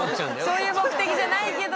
そういう目的じゃないけど。